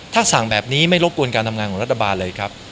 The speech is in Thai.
ถ้าสั่งแบบนี้ไม่รบกวนการทำงานของรัฐบาลเลยครับ